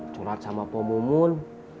curhat sama pemumun